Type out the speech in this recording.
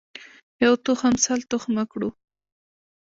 یو تخم سل تخمه کړو.